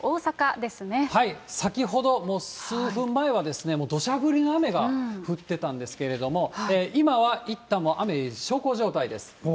先ほど、もう数分前はですね、どしゃ降りの雨が降ってたんですけれども、今はいったんもう雨、小康状態です。